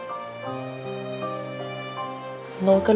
โทรหาลูกชายโทรหาลูกชาย